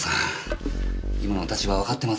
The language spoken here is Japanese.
今の立場わかってます？